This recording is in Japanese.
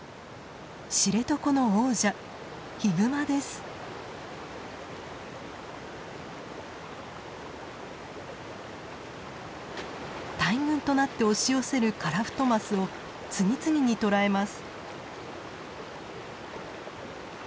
知床の王者大群となって押し寄せるカラフトマスを次々に捕らえます。